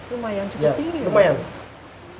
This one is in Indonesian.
lumayan cukup tinggi